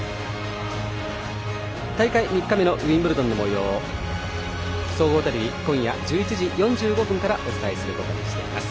大会３日目のウィンブルドンのもようは総合テレビ今夜１１時４５分からお伝えすることにしています。